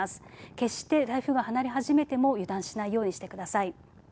決して台風が離れ始めても油断しないようにしてください。